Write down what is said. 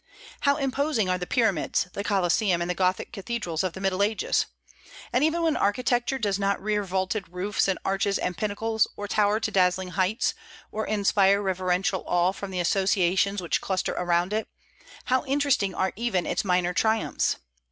How imposing are the pyramids, the Coliseum, and the Gothic cathedrals of the Middle Ages! And even when architecture does not rear vaulted roofs and arches and pinnacles, or tower to dazzling heights, or inspire reverential awe from the associations which cluster around it, how interesting are even its minor triumphs!